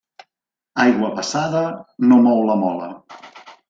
Aigua passada no mou la mola.